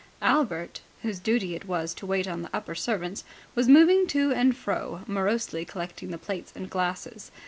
Albert, whose duty it was to wait on the upper servants, was moving to and fro, morosely collecting the plates and glasses.